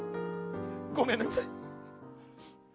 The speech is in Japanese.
ごめんなさい。